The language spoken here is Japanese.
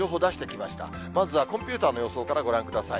まずはコンピューターの予想からご覧ください。